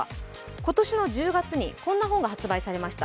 今年の１０月に、こんな本が発売されました。